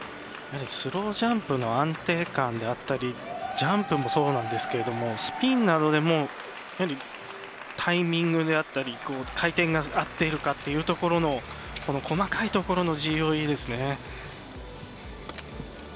スロージャンプの安定感であったりジャンプもそうなんですけれどもスピンなどでもタイミングであったり回転が合っているかっていうところのこの細かいところのＧＯＥですね。